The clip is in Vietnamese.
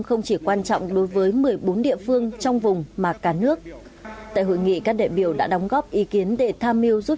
không chỉ quan trọng đối với một mươi bốn địa phương trong vùng mà cả nước tại hội nghị các đại biểu đã đóng góp ý kiến để tham mưu giúp